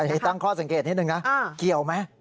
นี่ตั้งข้อสังเกตนิดนึงนะเกี่ยวไหม